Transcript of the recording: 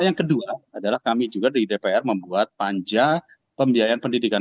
yang kedua adalah kami juga di dpr membuat panja pembiayaan pendidikan